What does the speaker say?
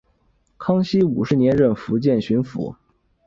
康熙五十年任福建巡抚。